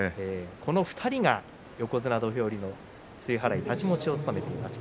この２人が横綱土俵入りの露払いと太刀持ちを務めています。